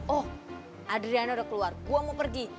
oh adriana udah keluar gue mau pergi